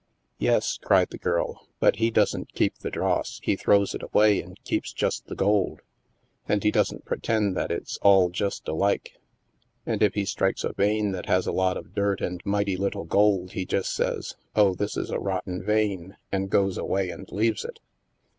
" Yes," cried the girl, " but he doesn't keep the dross; he throws it away and keeps just the gold. And he doesn't pretend that it's all just alike. And if he strikes a vein that has a lot of dirt and mighty little gold, he just says, ' Oh, this is a rotten vein,' and goes away and leaves it."